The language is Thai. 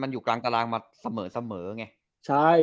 มันอยู่กลางตารางมาเสมอไงใช่